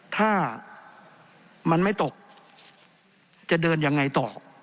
ถ้ามันไม่ตกจะเดินยังไงต่อ